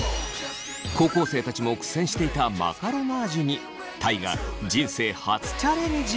高校生たちも苦戦していたマカロナージュに大我人生初チャレンジ。